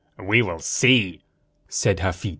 "We will see," said Hafitz.